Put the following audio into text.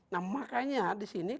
nah makanya disini